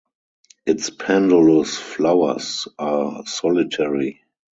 Its pendulous flowers are solitary.